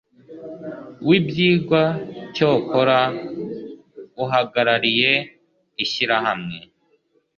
w ibyigwa Cyokora uhagarariye ishyirahamwe